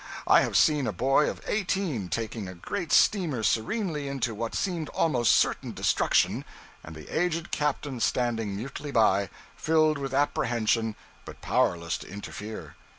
I have seen a boy of eighteen taking a great steamer serenely into what seemed almost certain destruction, and the aged captain standing mutely by, filled with apprehension but powerless to interfere.